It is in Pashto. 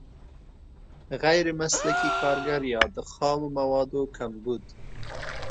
غیر مسلکي کارګر یا د خامو موادو کمبود.